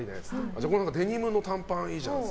じゃあデニムの短パンいいじゃんって。